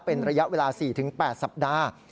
เป็นระยะเวลา๔๘สัปดาห์